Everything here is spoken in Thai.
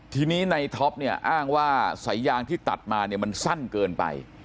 ทีนี้ในท็อปเนี่ยอ้างว่าสายยางที่ตัดมาเนี่ยมันสั้นเกินไป